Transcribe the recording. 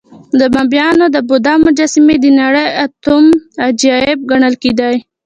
د بامیانو د بودا مجسمې د نړۍ اتم عجایب ګڼل کېدې